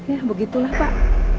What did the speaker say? ya begitulah pak